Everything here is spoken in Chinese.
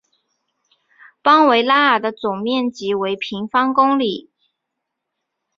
邦维拉尔的总面积为平方公里。